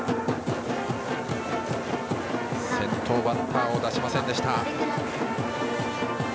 先頭バッターを出しませんでした。